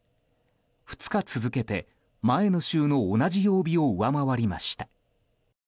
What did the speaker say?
２日続けて、前の週の同じ曜日を上回りました。